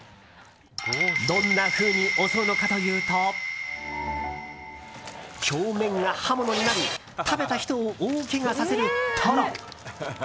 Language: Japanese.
どんなふうに襲うのかというと表面が刃物になり食べた人を大けがさせるトロ。